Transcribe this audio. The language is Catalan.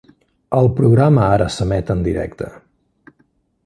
El programa ara s'emet en directe.